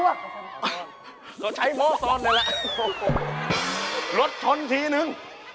เกิดอะไรขึ้น